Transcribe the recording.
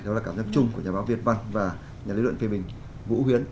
đó là cảm giác chung của nhà báo việt văn và nhà lý luận phê bình vũ huyến